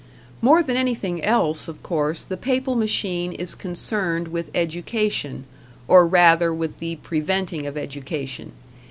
More than anything else, of course, the Papal machine is concerned with education, or rather, with the preventing of education.